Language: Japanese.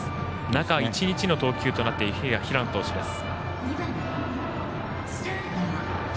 中１日の投球となっている平野投手です。